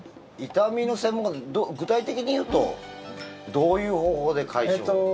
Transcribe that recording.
痛みの専門家って具体的に言うとどういう方法で解消？